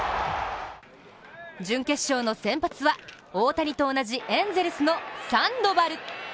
準決勝の先発は大谷と同じエンゼルスのサンドバル。